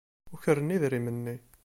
Ukren idrimen-nni.